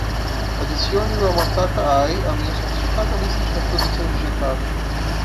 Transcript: adicione o Yamataka Eye à minha sofisticada lista de reprodução de jantar